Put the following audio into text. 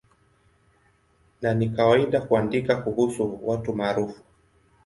Na ni kawaida kuandika kuhusu watu maarufu.